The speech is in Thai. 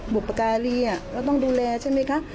บุปการีเราต้องดูแลใช่ไหมคะ